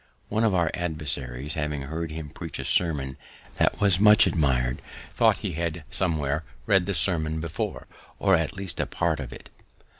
One of our adversaries having heard him preach a sermon that was much admired, thought he had somewhere read the sermon before, or at least a part of it.